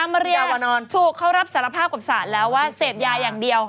มาเรียถูกเขารับสารภาพกับศาลแล้วว่าเสพยาอย่างเดียว